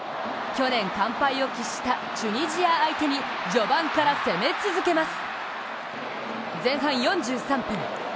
去年完敗を喫したチュニジア相手に序盤から攻め続けます。